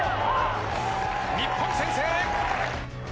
日本、先制。